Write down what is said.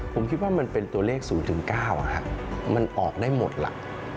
ผมคิดว่ามันเป็นตัวเลข๐๙มันออกได้หมดล่ะ